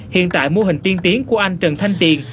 hiện tại mô hình tiên tiến của anh trần thanh tiền